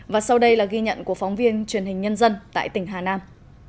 và sau đây là ghi nhận của phóng viên truyền hình nhân dân tại tỉnh hà nam